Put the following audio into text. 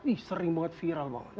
ih sering banget viral banget